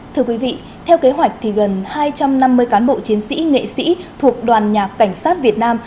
thưa quý vị theo kế hoạch thì gần hai trăm năm mươi cán bộ chiến sĩ nghệ sĩ thuộc đoàn nhạc cảnh sát việt nam